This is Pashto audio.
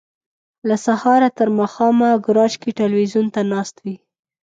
له سهاره تر ماښامه ګراج کې ټلویزیون ته ناست وي.